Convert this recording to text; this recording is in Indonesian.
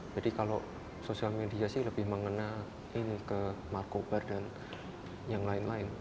jadi kalau sosial media sih lebih mengenai ini ke marco ver dan yang lain lain